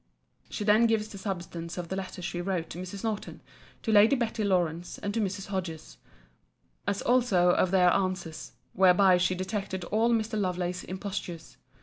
[She then gives the substance of the letters she wrote to Mrs. Norton, to Lady Betty Lawrance, and to Mrs. Hodges; as also of their answers; whereby she detected all Mr. Lovelace's impostures.